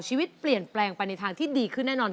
ชีวิตเปลี่ยนแปลงไปในทางที่ดีขึ้นแน่นอน